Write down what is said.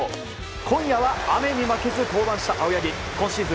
今夜は雨に負けず登板した青柳今シーズン